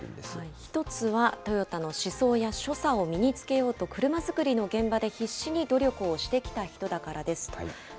１つはトヨタの思想や所作を身に着けようと車作りの現場で必死に努力をしてきた人だからですと。